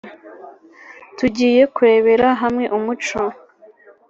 Tugiye kurebera hamwe umuco